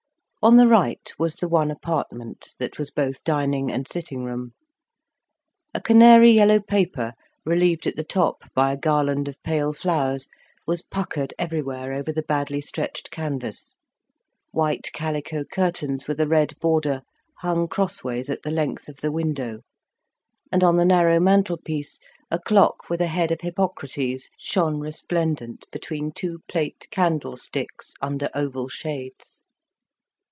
On the right was the one apartment, that was both dining and sitting room. A canary yellow paper, relieved at the top by a garland of pale flowers, was puckered everywhere over the badly stretched canvas; white calico curtains with a red border hung crossways at the length of the window; and on the narrow mantelpiece a clock with a head of Hippocrates shone resplendent between two plate candlesticks under oval shades.